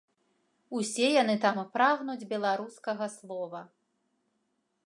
Усе яны там прагнуць беларускага слова.